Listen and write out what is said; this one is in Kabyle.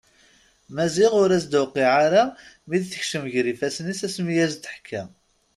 Maziɣ ur as-tuqiɛ ara mi d-tekcem gar ifasen-is asmi i as-d-teḥka.